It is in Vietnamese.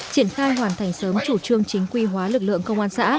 triển khai hoàn thành sớm chủ trương chính quy hóa lực lượng công an xã